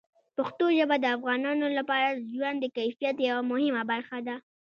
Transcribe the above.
پښتو ژبه د افغانانو لپاره د ژوند د کیفیت یوه مهمه برخه ده.